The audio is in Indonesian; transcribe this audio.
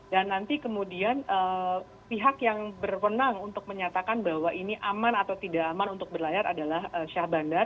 dan nanti kemudian pihak yang berwenang untuk menyatakan bahwa ini aman atau tidak aman untuk berlayar adalah syah bandar